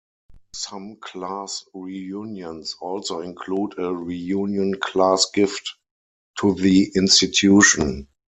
Some class reunions also include a reunion class gift to the institution.